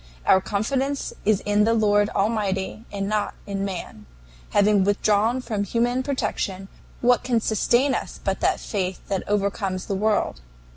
Our confidence is in the Lord Almighty and not in man. Having withdrawn from human protection, what can sustain us but that faith which overcomes the world?